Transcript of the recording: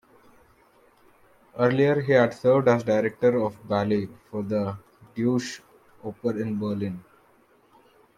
Earlier he had served as director of ballet for the Deutsche Oper in Berlin.